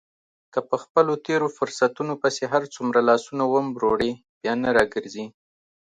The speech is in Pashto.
که په خپلو تېرو فرصتونو پسې هرڅومره لاسونه ومروړې بیا نه را ګرځي.